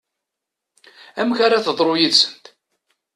Amek ara teḍru yid-sent?